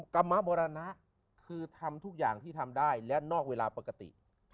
กรรมมรณะคือทำทุกอย่างที่ทำได้และนอกเวลาปกติ